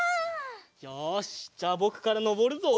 よしじゃあぼくからのぼるぞ。